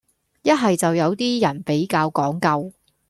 一係就有啲人比較講究